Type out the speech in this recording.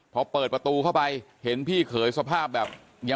พอเปิดประตูเข้าไปเห็นพี่เขยสภาพแบบยัง